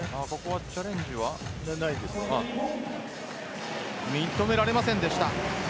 チャレンジは認められませんでした。